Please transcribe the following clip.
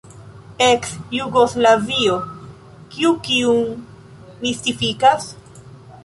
Eks-Jugoslavio: kiu kiun mistifikas?